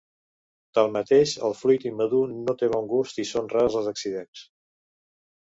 Tanmateix el fruit immadur no té bon gust i són rars els accidents.